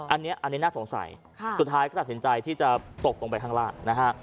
อันนี้น่าสงสัยสุดท้ายก็ตัดสินใจที่จะตกลงไปข้างล่างนะฮะ